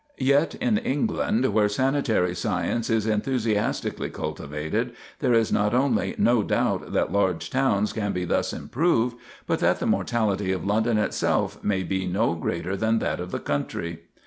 Yet in England, where sanitary science is enthusiastically cultivated, there is not only no doubt that large towns can be thus improved, but that the mortality of London itself may be no greater than that of the country.